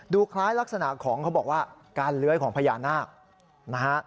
คล้ายลักษณะของเขาบอกว่าการเลื้อยของพญานาคนะฮะ